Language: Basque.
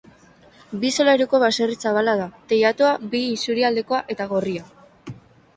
Bi solairuko baserri zabala da, teilatua bi isurialdekoa eta gorria.